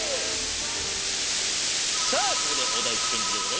さあここでおだいチェンジでございます。